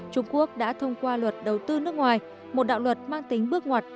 trung quốc đã thông qua luật đầu tư nước ngoài một đạo luật mang tính bước ngoặt